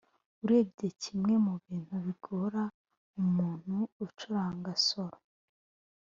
urebye kimwe mu bintu bigora umuntu ucuranga solo